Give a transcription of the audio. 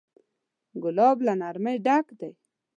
ګلاب له نرمۍ ډک دی.